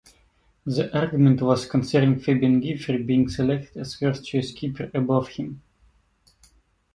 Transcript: The argument was concerning Fabian Giefer being selected as first choice keeper above him.